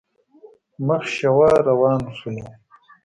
مخ شېوه روان شولو.